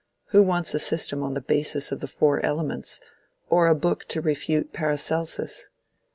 Who wants a system on the basis of the four elements, or a book to refute Paracelsus?